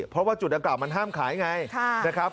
เพราะว่าจุดดังกล่ามันห้ามขายไงนะครับ